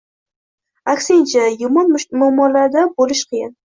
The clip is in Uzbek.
aksincha, yomon muomalada bo'lish qiyin.